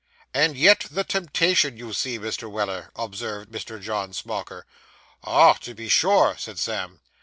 'And yet the temptation, you see, Mr. Weller,' observed Mr. John Smauker. 'Ah, to be sure,' said Sam.